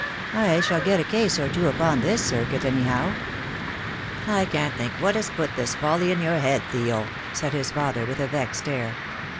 I shall get a case or two upon this circuit, anyhow." "I can't think what has put this folly in your head, Theo," said his father, with a vexed air.